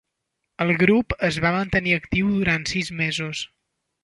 El grup es va mantenir actiu durant sis mesos.